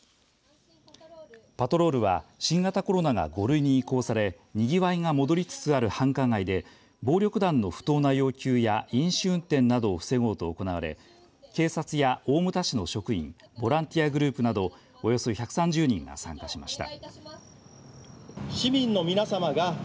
パトロールは新型コロナが５類に移行されにぎわいが戻りつつある繁華街で暴力団の不当な要求や飲酒運転などを防ごうと行われ警察や大牟田市の職員ボランティアグループなどおよそ１３０人が参加しました。